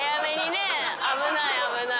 危ない危ない。